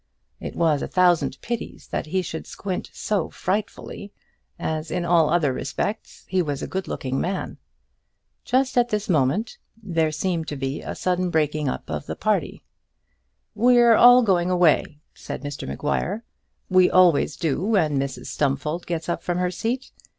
It was a thousand pities that he should squint so frightfully, as in all other respects he was a good looking man. Just at this moment there seemed to be a sudden breaking up of the party. "We are all going away," said Mr Maguire. "We always do when Mrs Stumfold gets up from her seat.